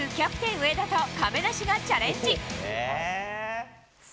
上田と亀梨がチャレンジ！